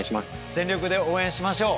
全力で応援しましょう。